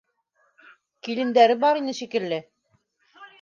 Килендәре бар ине, шикелле.